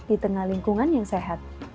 di tengah lingkungan yang sehat